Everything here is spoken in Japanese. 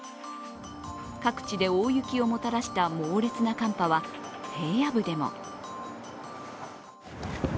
各地で大雪をもたらした猛烈な寒波は平野部でも。